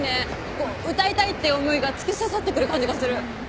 こう歌いたいって思いが突き刺さってくる感じがする。